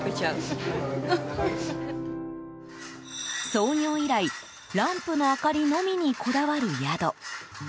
創業以来ランプの明かりのみにこだわる宿。